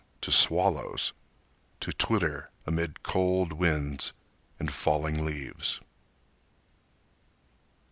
—to swallows, To twitter amid cold winds and falling leaves!